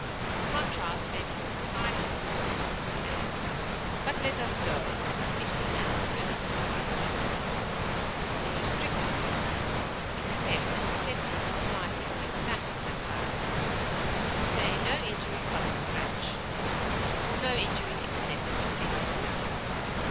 The contrast may be with a silent thought; as, but let us go (it being understood that we might stay longer). In restrictive use, except and excepting are slightly more emphatic than but; we say, no injury but a scratch; or, no injury except some painful bruises.